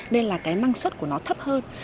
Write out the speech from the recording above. nên là năng suất của nó thấp hơn